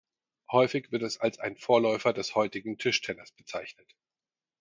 Häufig wird es als ein Vorläufer des heutigen Tischtennis bezeichnet.